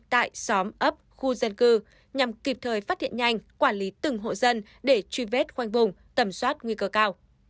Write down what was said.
tại xóm ấp khu dân cư nhằm kịp thời phát hiện nhanh quản lý từng hộ dân để truy vết khoanh vùng tầm soát nguy cơ cao